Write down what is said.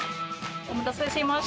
お待たせしました。